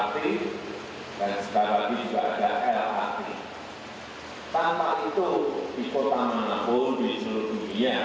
tak jangka macam